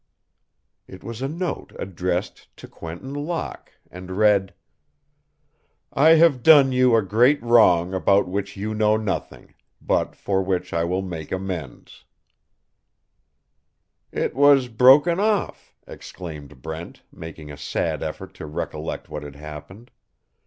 It was a note addressed to Quentin Locke and read: I have done you a great wrong about which you know nothing, but for which I will make amends "It was broken off," exclaimed Brent, making a sad effort to recollect what had happened.